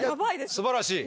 すばらしい。